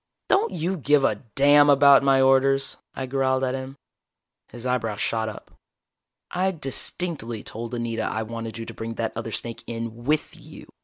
"Don't you give a damn about my orders?" I growled at him. His eyebrows shot up. "I distinctly told Anita I wanted you to bring that other snake in with you.